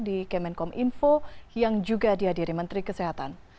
di kemenkom info yang juga dihadiri menteri kesehatan